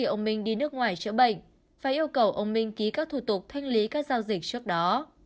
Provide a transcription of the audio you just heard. ông minh đi nước ngoài chữa bệnh phải yêu cầu ông minh ký các thủ tục thanh lý các giao dịch trước đó